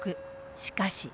しかし